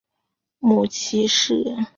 母齐氏。